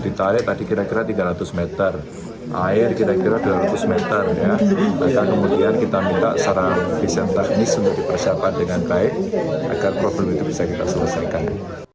ditarik tadi kira kira tiga ratus meter air kira kira dua ratus meter dan kemudian kita minta secara vision teknis untuk dipersiapkan dengan baik agar problem itu bisa kita selesaikan